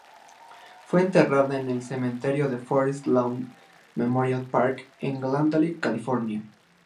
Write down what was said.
Fue enterrada en el cementerio Forest Lawn Memorial Park en Glendale, California.